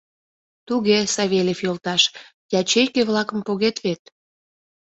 Туге, Савельев йолташ, ячейке-влакым погет вет?